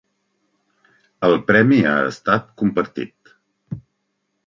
El premi ha estat compartit.